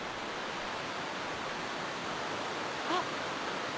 あっ。